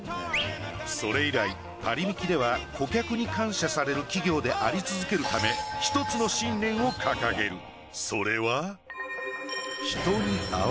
それ以来パリミキでは顧客に感謝される企業であり続けるため一つの信念を掲げるそれは。